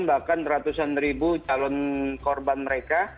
bahkan ratusan ribu calon korban mereka